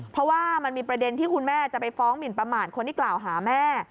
เพราะว่ามันมีประเด็นที่คุณแม่จะไปฟ้องหมินประมาทคนที่กล่าวหาแม่